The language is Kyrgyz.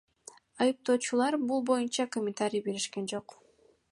Айыптоочулар бул боюнча комментарий беришкен жок.